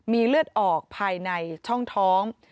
มีเลือดออกภายในช่องท้อง